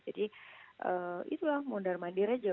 jadi itulah mundur mandir aja